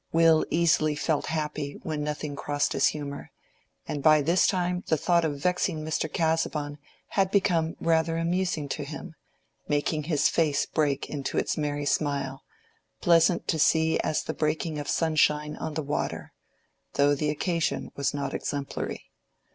Will easily felt happy when nothing crossed his humor, and by this time the thought of vexing Mr. Casaubon had become rather amusing to him, making his face break into its merry smile, pleasant to see as the breaking of sunshine on the water—though the occasion was not exemplary.